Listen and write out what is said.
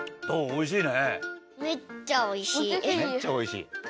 おいしい。